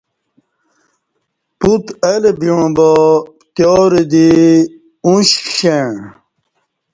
پوت اہ لہ بیوݩع باپتیارہ دی اوݩش کشݩع